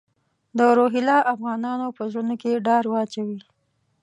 د روهیله افغانانو په زړونو کې ډار واچوي.